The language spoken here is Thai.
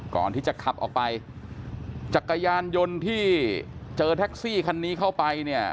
ก่อนที่จะขับออกไปจักรยานยนต์ที่เจอแท็กซี่คันนี้เข้าไปเนี่ย